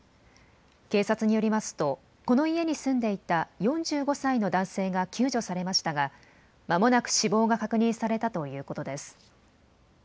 警察によりますとこの家に住んでいた４５歳の男性が救助されましたがまもなく死亡が確認されたということです。